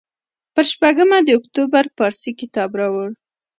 پر شپږمه د اکتوبر پارسي کتاب راوړ.